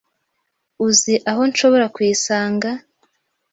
Uzi aho nshobora kuyisanga?